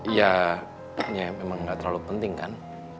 iya ya memang gak terlalu penting kan